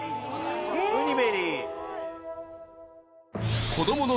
ウニベリー。